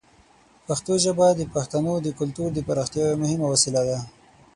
پښتو ژبه د پښتنو د کلتور د پراختیا یوه مهمه وسیله ده.